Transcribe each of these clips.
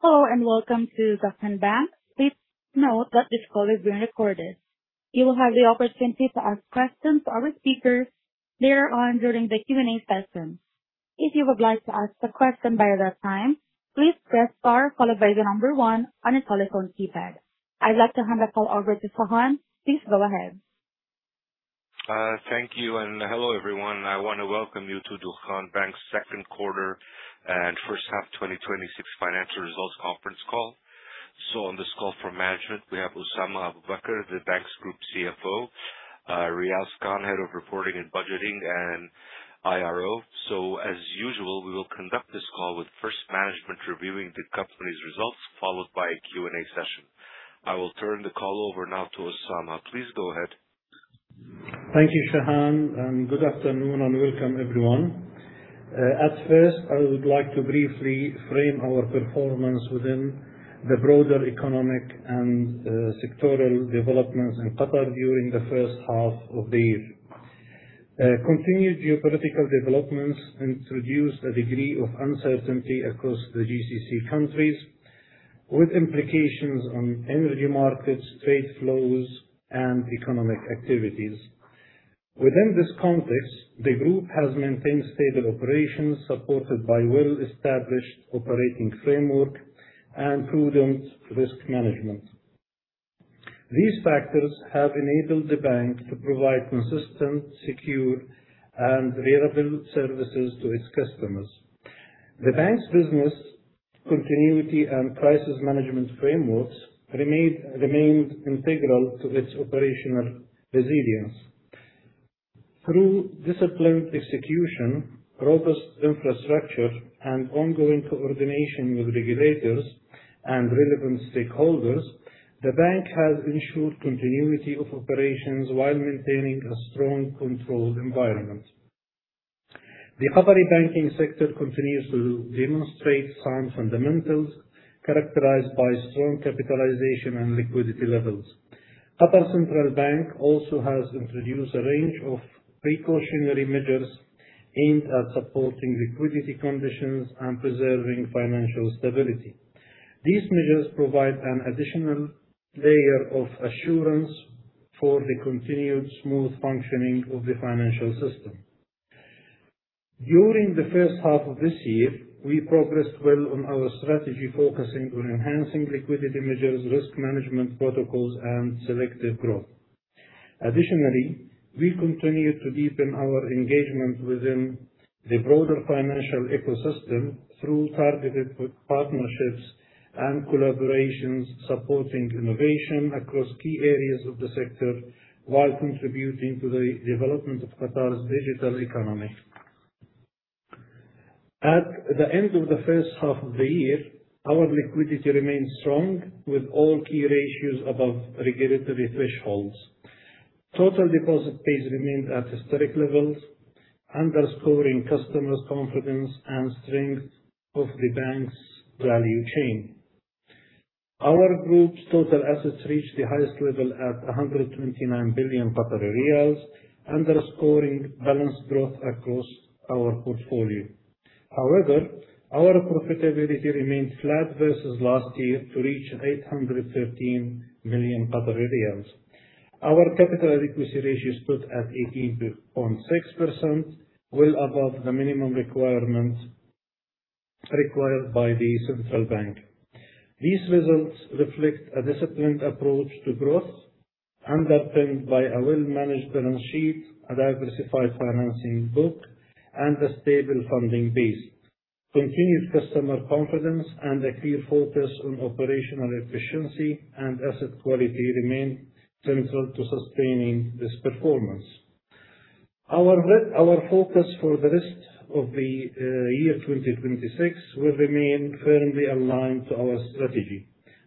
Hello, welcome to Dukhan Bank. Please note that this call is being recorded. You will have the opportunity to ask questions to our speakers later on during the Q&A session. If you would like to ask a question by that time, please press star followed by the number 1 on your telephone keypad. I'd like to hand the call over to Shahan. Please go ahead. Thank you, hello, everyone. I want to welcome you to Dukhan Bank’s second quarter and first half 2026 financial results conference call. On this call from management, we have Osama Abu Baker, the bank's Group CFO; Riaz Khan, Head of Reporting and Budgeting and IRO. As usual, we will conduct this call with first management reviewing the company's results, followed by a Q&A session. I will turn the call over now to Osama. Please go ahead. Thank you, Shahan, good afternoon and welcome, everyone. At first, I would like to briefly frame our performance within the broader economic and sectoral developments in Qatar during the first half of the year. Continued geopolitical developments introduced a degree of uncertainty across the GCC countries with implications on energy markets, trade flows, and economic activities. Within this context, the group has maintained stable operations supported by well-established operating framework and prudent risk management. These factors have enabled the bank to provide consistent, secure, and reliable services to its customers. The bank's business continuity and crisis management frameworks remained integral to its operational resilience. Through disciplined execution, robust infrastructure, and ongoing coordination with regulators and relevant stakeholders, the bank has ensured continuity of operations while maintaining a strong, controlled environment. The Qatari banking sector continues to demonstrate sound fundamentals characterized by strong capitalization and liquidity levels. Qatar Central Bank also has introduced a range of precautionary measures aimed at supporting liquidity conditions and preserving financial stability. These measures provide an additional layer of assurance for the continued smooth functioning of the financial system. During the first half of this year, we progressed well on our strategy, focusing on enhancing liquidity measures, risk management protocols, and selective growth. Additionally, we continued to deepen our engagement within the broader financial ecosystem through targeted partnerships and collaborations, supporting innovation across key areas of the sector while contributing to the development of Qatar's digital economy. At the end of the first half of the year, our liquidity remained strong with all key ratios above regulatory thresholds. Total deposit base remained at historic levels, underscoring customer confidence and strength of the bank's value chain. Our group's total assets reached the highest level at 129 billion Qatari riyals, underscoring balanced growth across our portfolio. Our profitability remained flat versus last year to reach 813 million Qatari riyals. Our capital adequacy ratio stood at 18.6%, well above the minimum requirements required by the Central Bank. These results reflect a disciplined approach to growth, underpinned by a well-managed balance sheet and a diversified financing book and a stable funding base. Continued customer confidence and a clear focus on operational efficiency and asset quality remain central to sustaining this performance. Our focus for the rest of the year 2026 will remain firmly aligned to our strategy,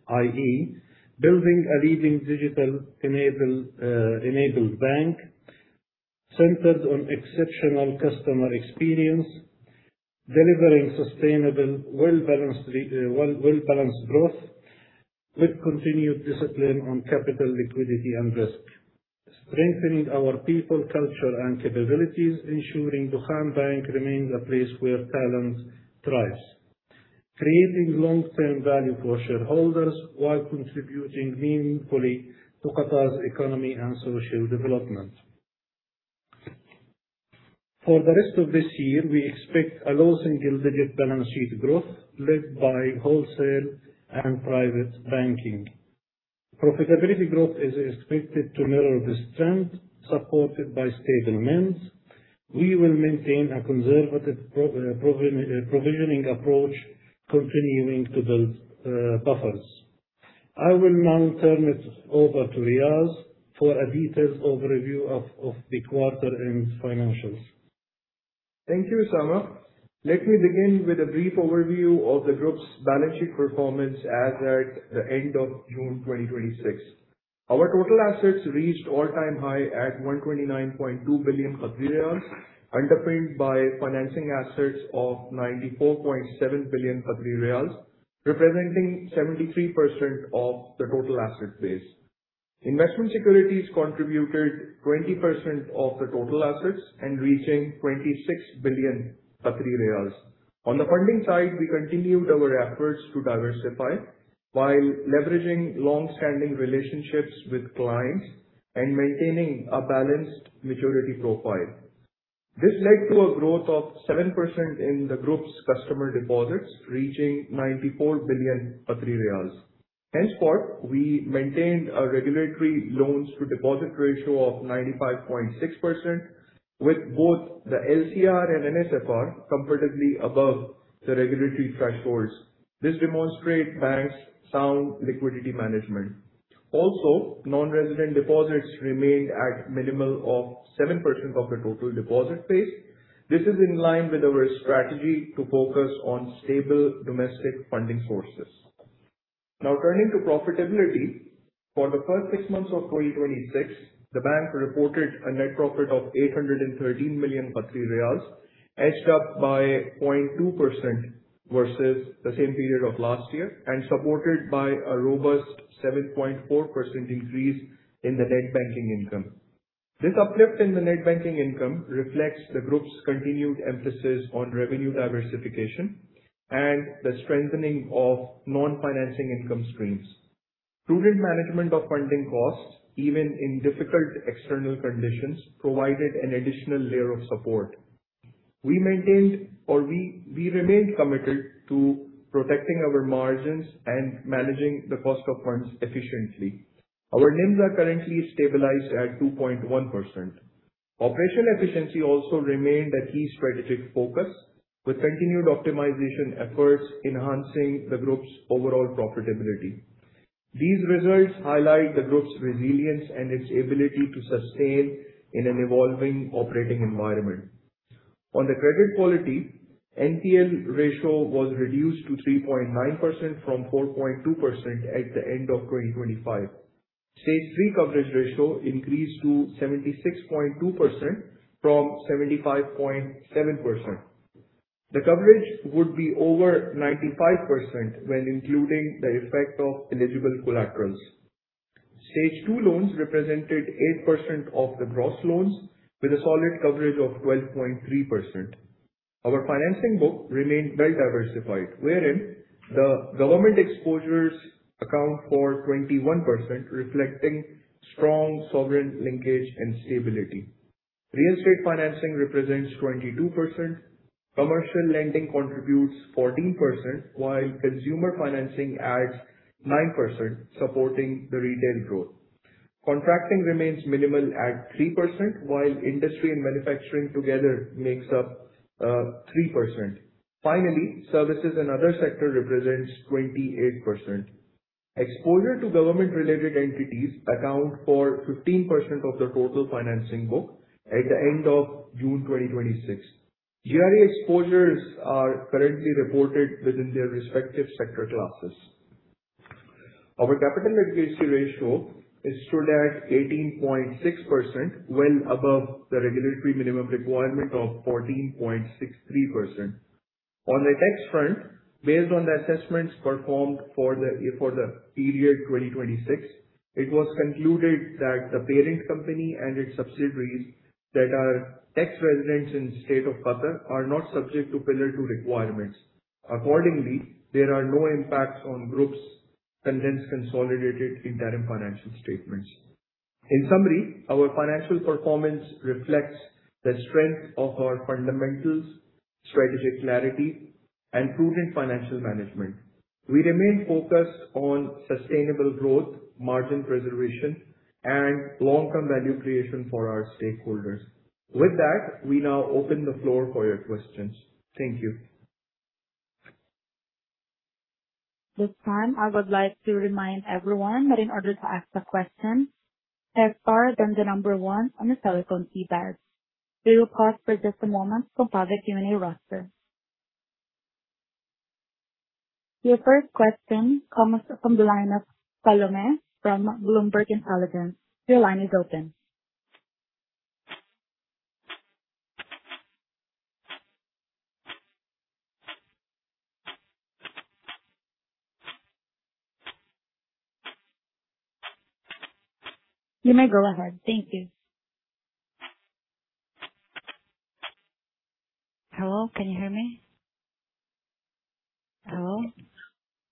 i.e., building a leading digital-enabled bank centered on exceptional customer experience, delivering sustainable, well-balanced growth with continued discipline on capital liquidity and risk. Strengthening our people, culture, and capabilities ensuring Dukhan Bank remains a place where talent thrives. Creating long-term value for shareholders while contributing meaningfully to Qatar's economy and social development. For the rest of this year, we expect a low single-digit balance sheet growth led by wholesale and private banking. Profitability growth is expected to mirror this trend, supported by stable NIMs. We will maintain a conservative provisioning approach, continuing to build buffers. I will now turn it over to Riaz for a detailed overview of the quarter and financials. Thank you, Osama. Let me begin with a brief overview of the group's balance sheet performance as at the end of June 2026. Our total assets reached all-time high at 129.2 billion, underpinned by financing assets of 94.7 billion, representing 73% of the total asset base. Investment securities contributed 20% of the total assets and reaching 26 billion riyals. On the funding side, we continued our efforts to diversify while leveraging long-standing relationships with clients and maintaining a balanced maturity profile. We maintained our regulatory loan-to-deposit ratio of 95.6%, with both the LCR and NSFR comfortably above the regulatory thresholds. This demonstrates the bank's sound liquidity management. Non-resident deposits remained at minimal of 7% of the total deposit base. This is in line with our strategy to focus on stable domestic funding sources. Now turning to profitability. For the first six months of 2026, the bank reported a net profit of 813 million riyals, edged up by 2% versus the same period of last year and supported by a robust 7.4% increase in the net banking income. This uplift in the net banking income reflects the group's continued emphasis on revenue diversification and the strengthening of non-financing income streams. Prudent management of funding costs, even in difficult external conditions, provided an additional layer of support. We remain committed to protecting our margins and managing the cost of funds efficiently. Our NIMs are currently stabilized at 2.1%. Operational efficiency also remained a key strategic focus, with continued optimization efforts enhancing the group's overall profitability. These results highlight the group's resilience and its ability to sustain in an evolving operating environment. On the credit quality, NPL ratio was reduced to 3.9% from 4.2% at the end of 2025. Stage 3 coverage ratio increased to 76.2% from 75.7%. The coverage would be over 95% when including the effect of eligible collaterals. Stage 2 loans represented 8% of the gross loans with a solid coverage of 12.3%. Our financing book remained well-diversified, wherein the government exposures account for 21%, reflecting strong sovereign linkage and stability. Real estate financing represents 22%, commercial lending contributes 14%, while consumer financing adds 9%, supporting the retail growth. Contracting remains minimal at 3%, while industry and manufacturing together makes up 3%. Finally, services and other sector represents 28%. Exposure to government-related entities account for 15% of the total financing book at the end of June 2026. GRE exposures are currently reported within their respective sector classes. Our capital adequacy ratio stood at 18.6%, well above the regulatory minimum requirement of 14.63%. On the tax front, based on the assessments performed for the period 2026, it was concluded that the parent company and its subsidiaries that are tax residents in state of Qatar are not subject to Pillar 2 requirements. Accordingly, there are no impacts on group's condensed consolidated interim financial statements. In summary, our financial performance reflects the strength of our fundamentals, strategic clarity, and prudent financial management. We remain focused on sustainable growth, margin preservation, and long-term value creation for our stakeholders. With that, we now open the floor for your questions. Thank you. At this time, I would like to remind everyone that in order to ask a question, press star then the number 1 on your telephone keypad. We will pause for just a moment to compile the Q&A roster. Your first question comes from the line of Salome from Bloomberg Intelligence. Your line is open. You may go ahead. Thank you. Hello, can you hear me? Hello?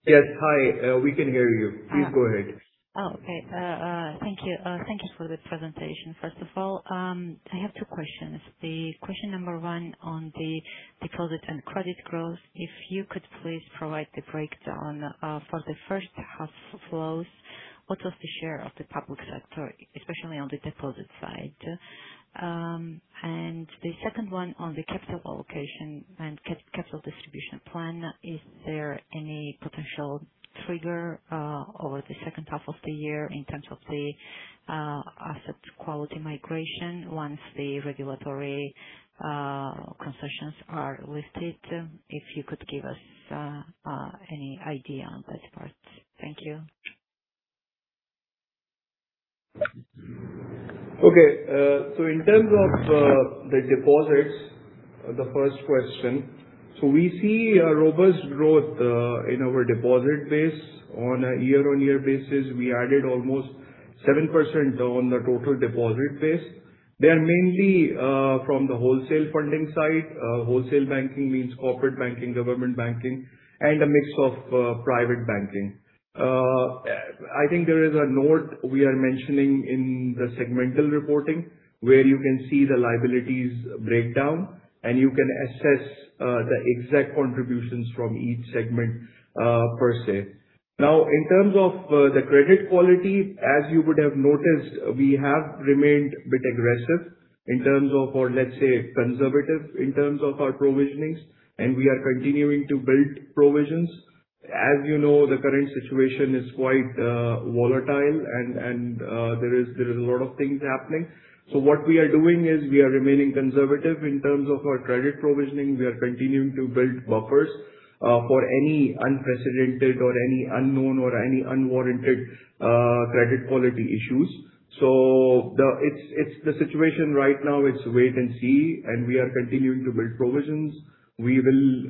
Yes, hi. We can hear you. Please go ahead. Okay. Thank you. Thank you for the presentation. I have two questions. Question number 1 on the deposit and credit growth, if you could please provide the breakdown for the first half flows, what was the share of the public sector, especially on the deposit side? The second one on the capital allocation and capital distribution plan, is there any potential trigger over the second half of the year in terms of the asset quality migration once the regulatory concessions are lifted? If you could give us any idea on that part. Thank you. Okay. In terms of the deposits, the first question. We see a robust growth in our deposit base on a year-on-year basis. We added almost 7% on the total deposit base. They are mainly from the wholesale funding side. Wholesale banking means corporate banking, government banking, and a mix of private banking. I think there is a note we are mentioning in the segmental reporting where you can see the liabilities breakdown and you can assess the exact contributions from each segment per se. In terms of the credit quality, as you would have noticed, we have remained a bit aggressive in terms of our, let's say conservative in terms of our provisions, and we are continuing to build provisions. As you know, the current situation is quite volatile. There is a lot of things happening. What we are doing is we are remaining conservative in terms of our credit provisioning. We are continuing to build buffers for any unprecedented or any unknown or any unwarranted credit quality issues. The situation right now is wait and see. We are continuing to build provisions. In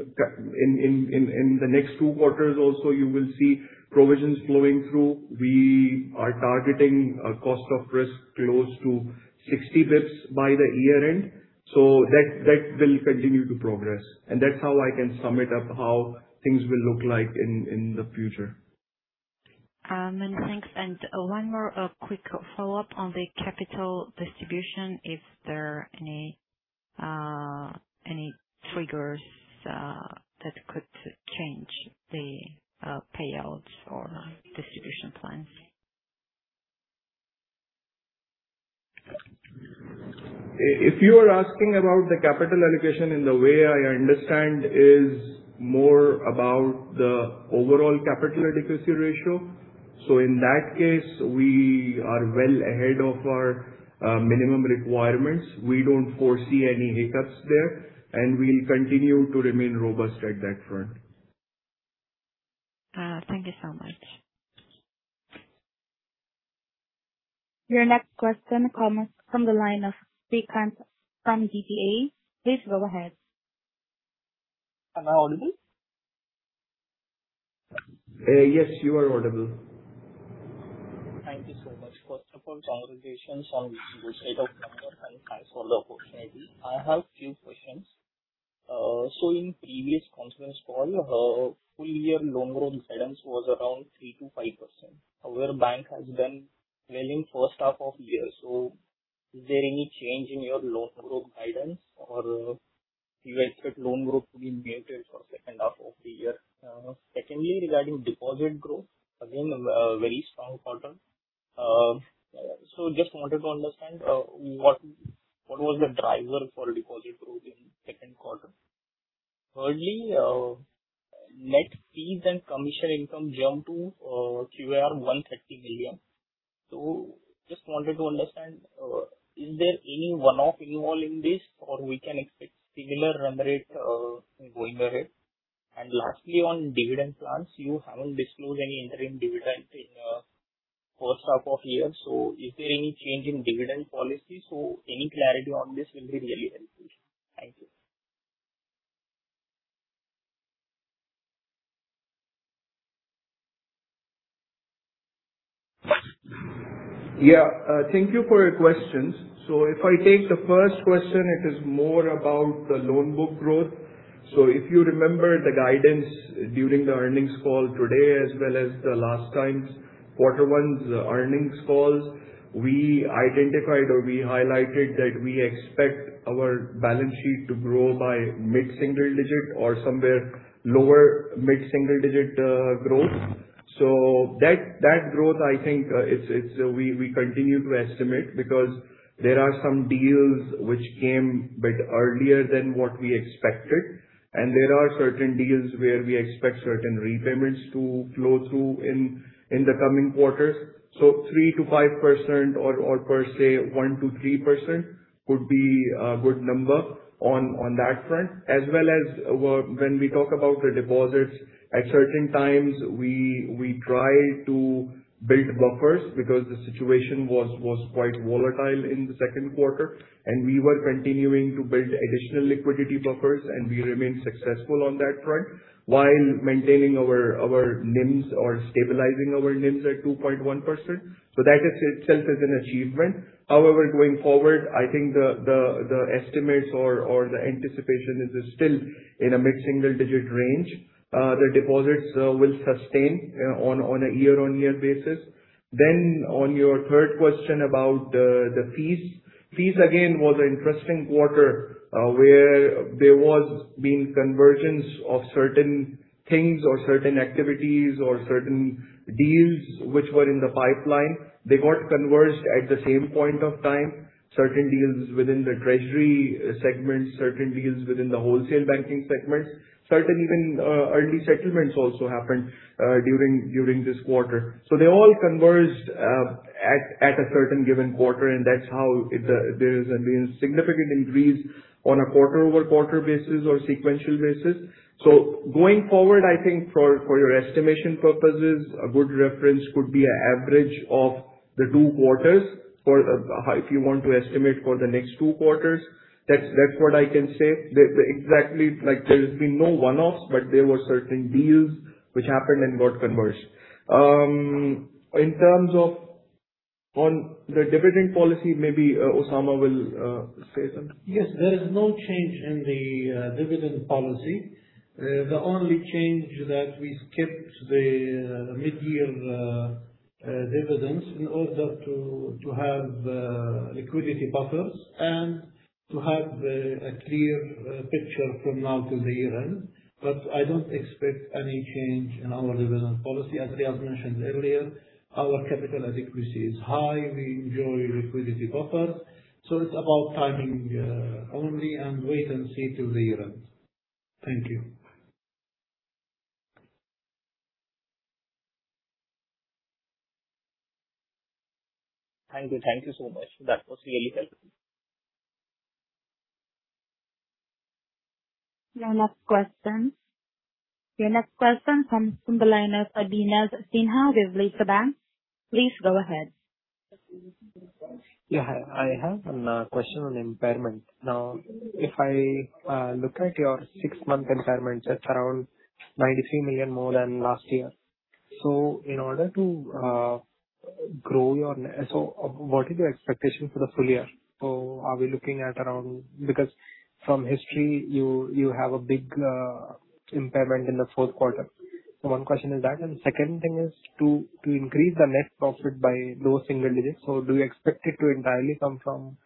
the next two quarters also you will see provisions flowing through. We are targeting a cost of risk close to 60 basis points by the year-end. That will continue to progress and that's how I can sum it up how things will look like in the future. Many thanks. One more quick follow-up on the capital distribution. Is there any triggers that could change the payouts or distribution plans? If you are asking about the capital allocation in the way I understand is more about the overall capital adequacy ratio. In that case, we are well ahead of our minimum requirements. We don't foresee any hiccups there, and we'll continue to remain robust at that front. Thank you so much. Your next question comes from the line of Vikrant from DTA. Please go ahead. Am I audible? Yes, you are audible. Thank you so much. First of all, congratulations on the good set of numbers and thanks for the opportunity. I have three questions. In previous conference call, full year loan growth guidance was around 3%-5%. However, bank has been well in first half of year. Is there any change in your loan growth guidance or you expect loan growth to be muted for second half of the year? Secondly, regarding deposit growth, again, a very strong quarter. Just wanted to understand what was the driver for deposit growth in the second quarter. Thirdly, net fees and commission income jumped to QAR 30 million. Just wanted to understand, is there any one-off involved in this, or we can expect similar run rate going ahead? Lastly, on dividend plans, you haven't disclosed any interim dividend in first half of year. Is there any change in dividend policy? Any clarity on this will be really helpful. Thank you. Thank you for your questions. If I take the first question, it is more about the loan book growth. If you remember the guidance during the earnings call today as well as the last time's quarter one's earnings calls, we identified or we highlighted that we expect our balance sheet to grow by mid-single digit or somewhere lower mid-single digit growth. That growth, I think, we continue to estimate because there are some deals which came bit earlier than what we expected, and there are certain deals where we expect certain repayments to flow through in the coming quarters. 3%-5% or per se 1%-3% could be a good number on that front. When we talk about the deposits, at certain times we try to build buffers because the situation was quite volatile in the second quarter and we were continuing to build additional liquidity buffers and we remained successful on that front while maintaining our NIMs or stabilizing our NIMs at 2.1%. That itself is an achievement. Going forward, I think the estimates or the anticipation is still in a mid-single digit range. The deposits will sustain on a year-on-year basis. On your third question about the fees. Fees again was an interesting quarter, where there has been convergence of certain things or certain activities or certain deals which were in the pipeline. They got converged at the same point of time. Certain deals within the treasury segment, certain deals within the wholesale banking segment. Certain even early settlements also happened during this quarter. They all converged to a certain given quarter, and that's how there has been significant increase on a quarter-over-quarter basis or sequential basis. Going forward, I think for your estimation purposes, a good reference could be an average of the two quarters if you want to estimate for the next two quarters. That's what I can say. There has been no one-offs, but there were certain deals which happened and got converged. On the dividend policy, maybe Osama will say something. Yes, there is no change in the dividend policy. The only change is that we skipped the mid-year dividends in order to have liquidity buffers and to have a clear picture from now till the year-end. I don't expect any change in our dividend policy. As Riaz mentioned earlier, our capital adequacy is high. We enjoy liquidity buffer. It's about timing only and wait and see till the year-end. Thank you. Thank you. Thank you so much. That was really helpful. Your next question comes from the line of Abhinav Sinha with Ritesh Bank. Please go ahead. I have a question on impairment. If I look at your six-month impairment, it's around 93 million more than last year. What is your expectation for the full year? Are we looking at around Because from history, you have a big impairment in the fourth quarter. One question is that, and the second thing is to increase the net profit by low single digits. Do you expect it to entirely come from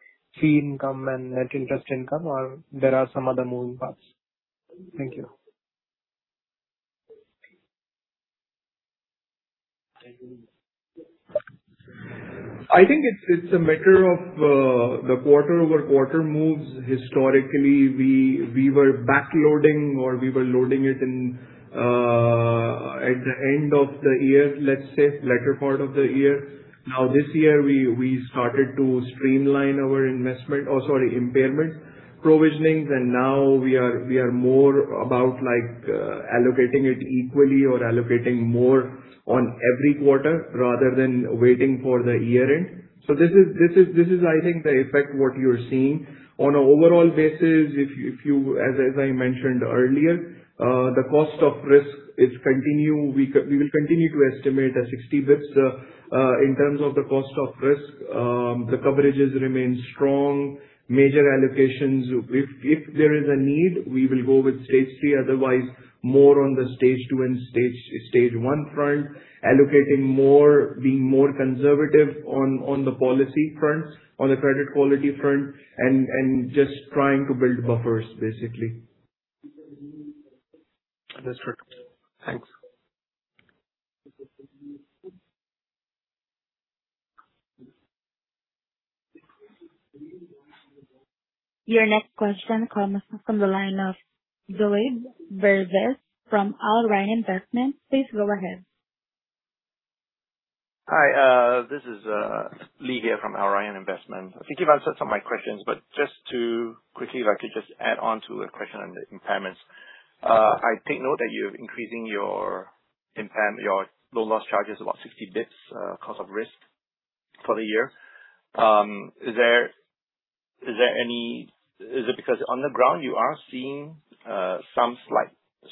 fee income and net interest income, or there are some other moving parts? Thank you. I think it's a matter of the quarter-over-quarter moves. Historically, we were backloading or we were loading it in at the end of the year, let's say, latter part of the year. This year, we started to streamline our impairment provisionings. Now we are more about allocating it equally or allocating more on every quarter rather than waiting for the year-end. This is, I think, the effect of what you're seeing. On an overall basis, as I mentioned earlier, the cost of risk, we will continue to estimate at 60 basis points. In terms of the cost of risk the coverages remain strong. Major allocations, if there is a need, we will go with Stage 3, otherwise more on the Stage 2 and Stage 1 front, allocating more, being more conservative on the policy front, on the credit quality front, and just trying to build buffers basically. That's right. Thanks. Your next question comes from the line of Lee Verzes from Al Rayan Investment. Please go ahead. Hi. This is Lee here from Al Rayan Investment. I think you've answered some of my questions, but just to quickly, if I could just add on to the question on the impairments. I take note that you're increasing your loan loss charges about 60 basis points cost of risk for the year. Is it because on the ground you are seeing some slight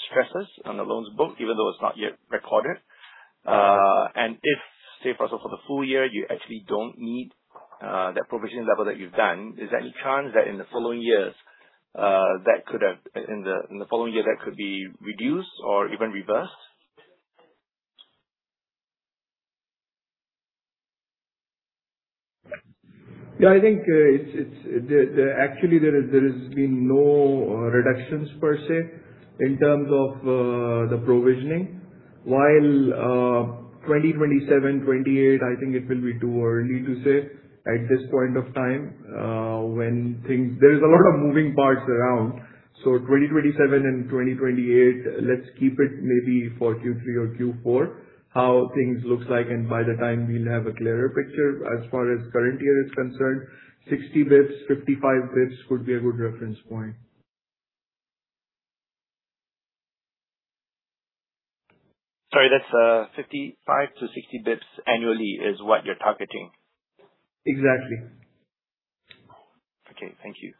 stresses on the loan book, even though it's not yet recorded? And if, say for also the full year, you actually don't need that provision level that you've done, is there any chance that in the following year, that could be reduced or even reversed? I think actually there has been no reductions per se in terms of the provisioning. While 2027, 2028, I think it will be too early to say at this point in time. There is a lot of moving parts around. 2027 and 2028, let's keep it maybe for Q3 or Q4 how things looks like and by the time we'll have a clearer picture. As far as current year is concerned, 60 basis points, 55 basis points could be a good reference point. Sorry, that's 55 to 60 basis points annually is what you're targeting? Exactly. Okay. Thank you.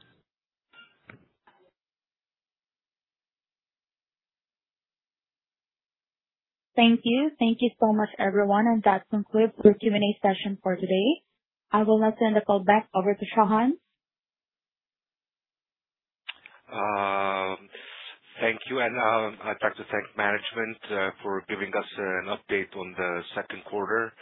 Thank you. Thank you so much, everyone, that concludes the Q&A session for today. I will now send the call back over to Shahan. Thank you. I'd like to thank management for giving us an update on the second quarter,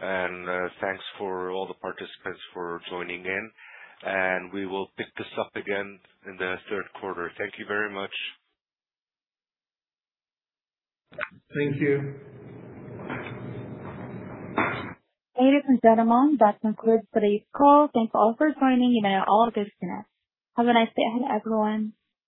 and thanks for all the participants for joining in. We will pick this up again in the third quarter. Thank you very much. Thank you. Ladies and gentlemen, that concludes today's call. Thanks all for joining. You may all disconnect. Have a nice day ahead, everyone.